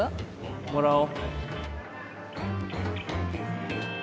もらおう。